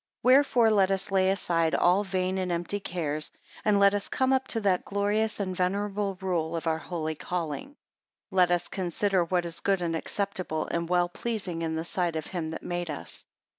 3 Wherefore let us lay aside all vain and empty cares; and let us come up to the glorious and venerable rule of our holy calling. 4 Let us consider what is good, and acceptable and well pleasing in the sight of him that made us.